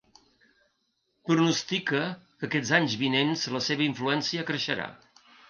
Pronostica que aquests anys vinent la seva influència creixerà.